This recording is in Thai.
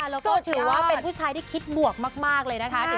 แล้วก็ถือว่าเป็นผู้ชายที่คิดบวกมากเลยนะคะ